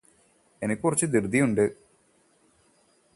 എനിക്ക് കുറച്ച് ധൃതിയുണ്ട്